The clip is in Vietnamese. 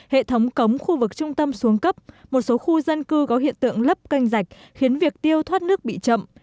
hệ thống cống khu vực trung tâm xuống cấp một số khu dân cư có hiện tượng lấp canh rạch khiến việc tiêu thoát nước bị chậm